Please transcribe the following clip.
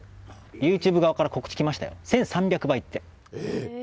ユーチューブ側から告知来ましたよ、１３００倍って。